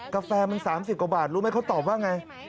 กาแฟมัน๓๐กว่าบาทรู้ไหมเขาตอบว่าไง